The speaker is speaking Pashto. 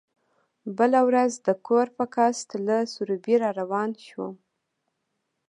بله ورځ د کور په قصد له سروبي را روان شوم.